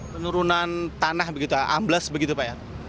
penurunan tanah begitu amblas begitu pak ya